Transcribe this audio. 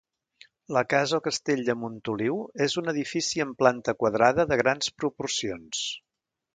La casa o castell de Montoliu és un edifici amb planta quadrada, de grans proporcions.